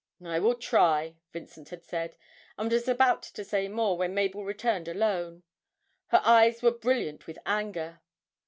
'I will try,' Vincent had said, and was about to say more, when Mabel returned alone. Her eyes were brilliant with anger.